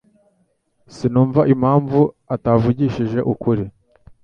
Sinumva impamvu atavugishije ukuri